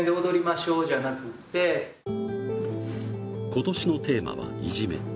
今年のテーマは「いじめ」。